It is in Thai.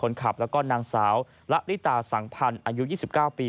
คนขับแล้วก็นางสาวละลิตาสังพันธ์อายุ๒๙ปี